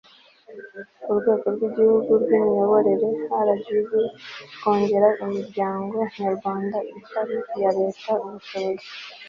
Urwego rw Igihuhu rw Imiyoborere RGB Kongera imiryango nyarwanda itari iya Leta ubushobozi